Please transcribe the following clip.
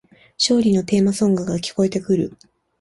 勝利のテーマソングが聞こえてくる